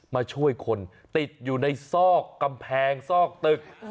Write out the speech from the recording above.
มาช่วยคนติดอยู่ในซอกกำแพงซอกตึก